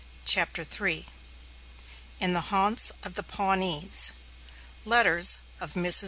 CHAPTER III IN THE HAUNTS OF THE PAWNEES LETTERS OF MRS.